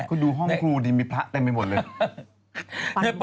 คุณดูห้องครูดิมีพระเต็มไปหมดเลย